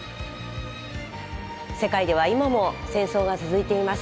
世界では今も戦争が続いています。